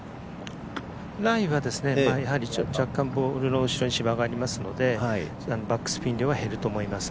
ライは若干、ボールの後ろに芝がありますのでバックスピンは減ると思います。